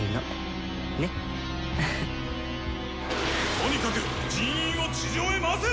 とにかく人員を地上へ回せ！